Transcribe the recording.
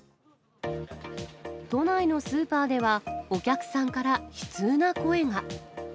都内のスーパーでは、お客さんから悲痛な声が。